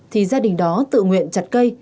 thì gia đình đó tự nguyện chặt cây